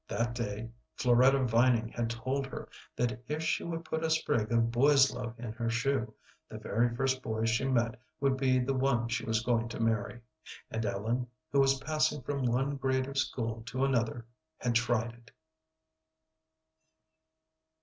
That day Floretta Vining had told her that if she would put a sprig of boy's love in her shoe, the very first boy she met would be the one she was going to marry; and Ellen, who was passing from one grade of school to another, had tried it.